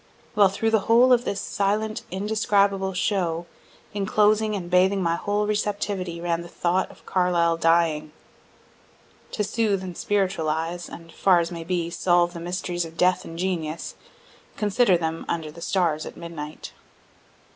While through the whole of this silent indescribable show, inclosing and bathing my whole receptivity, ran the thought of Carlyle dying. (To soothe and spiritualize, and, as far as may be, solve the mysteries of death and genius, consider them under the stars at midnight.)